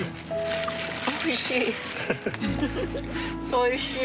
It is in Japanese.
おいしい。